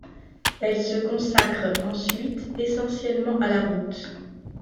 Elle se consacre ensuite essentiellement à la route.